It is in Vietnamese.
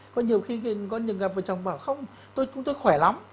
có nhiều khi gặp vợ chồng bảo không tôi khỏe lắm